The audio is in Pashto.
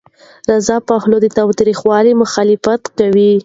رضا پهلوي د تاوتریخوالي مخالفت کوي.